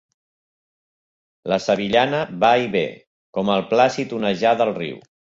La sevillana va i ve, com el plàcid onejar del riu.